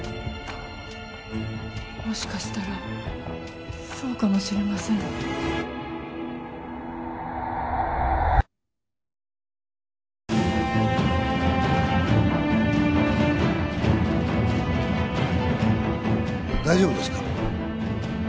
もしかしたらそうかもしれません大丈夫ですか？